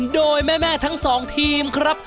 โดยแม่ทั้งสองทีมครับ